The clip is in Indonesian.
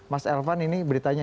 mas elvan ini beritanya